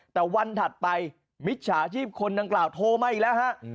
แต่วันถัดไปมิจฉาชีพคนดังกล่าวโทรมาอีกแล้วฮะ